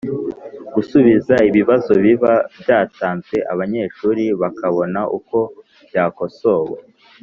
gusubiza ibibazo biba byatanzwe, abanyeshuri bakabona uko byakosowe